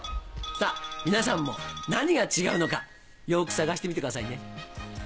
さぁ皆さんも何が違うのかよく探してみてくださいね。